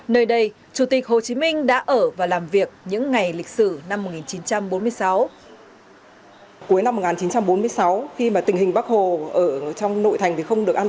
nơi đây chủ tịch hồ chí minh đã ở và làm việc những ngày lịch sử năm một nghìn chín trăm bốn mươi sáu